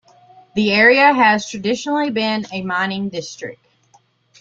The area has traditionally been a mining district.